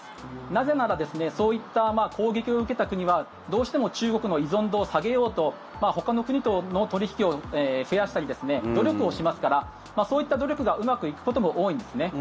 なぜならそういった攻撃を受けた国はどうしても中国の依存度を下げようとほかの国との取引を増やしたり努力をしますからそういった努力がうまくいくことも多いんですね。